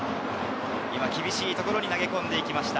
厳しいところに投げ込んでいきました。